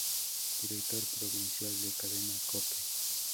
Director provincial de Cadena Cope.